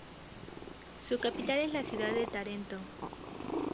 Su capital es la ciudad de Tarento.